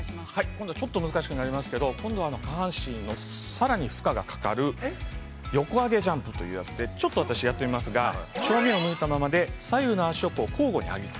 ◆今度はちょっと難しくなりますけど、今度は、下半身の、さらに負荷がかかる横上げジャンプというやつでちょっと私やってみますが正面を向いたままで左右の足を交互に上げる。